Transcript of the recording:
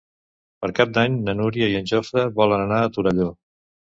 Per Cap d'Any na Núria i en Jofre volen anar a Torelló.